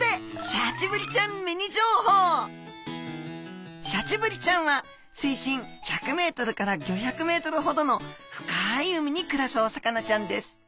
シャチブリちゃんは水深１００ｍから５００ｍほどの深い海に暮らすお魚ちゃんです。